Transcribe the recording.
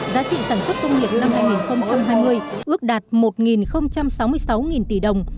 giá trị sản xuất công nghiệp năm hai nghìn hai mươi ước đạt một sáu mươi sáu tỷ đồng